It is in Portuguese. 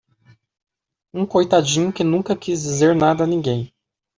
Um coitadinho que nunca quis dizer nada a ninguém!